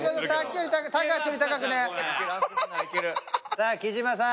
さあ貴島さん。